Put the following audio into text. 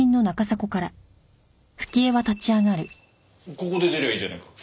ここで出りゃいいじゃないか。